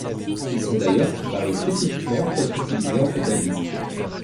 Ils sont d'ailleurs préparés spécifiquement pour être utilisés en catalyse.